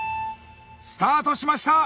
スタートしました。